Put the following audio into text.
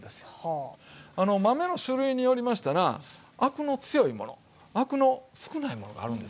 豆の種類によりましたらアクの強いものアクの少ないものがあるんですよ。